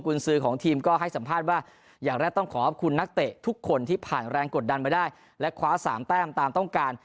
คุณซื้อของทีมก็ให้สัมภาษณ์ว่าอย่างแรกต้องขอขอบคุณนักเตะทุกคนที่ผ่านแรงกดดันไปได้และคว้าสามแต้มตามต้องการ